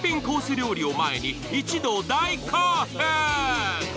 料理を前に一同大興奮！